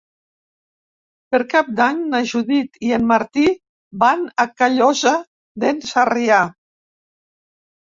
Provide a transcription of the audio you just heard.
Per Cap d'Any na Judit i en Martí van a Callosa d'en Sarrià.